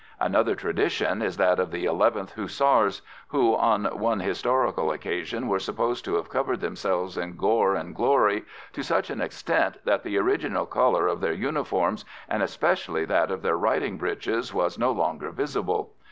Another tradition is that of the 11th Hussars, who on one historical occasion were supposed to have covered themselves in gore and glory to such an extent that the original colour of their uniforms, and especially that of their riding breeches, was no longer visible.